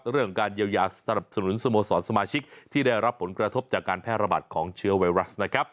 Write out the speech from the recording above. เรื่องของการเยียวยาสนับสนุนสโมสรสมาชิกที่ได้รับผลกระทบจากการแพร่ระบาดของเชื้อไวรัสนะครับ